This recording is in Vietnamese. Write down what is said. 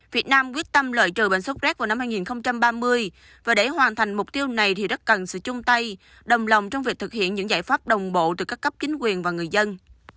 việt nam quyết tâm loại trừ bệnh sốc rét vào năm hai nghìn ba mươi và để hoàn thành mục tiêu này thì rất cần sự chung tay đồng lòng trong việc thực hiện những giải pháp đồng bộ từ các cấp chính quyền và người dân